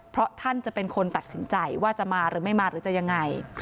เพราะท่านจะเป็นคนตัดสินใจว่าจะมาหรือไม่มาหรือจะยังไง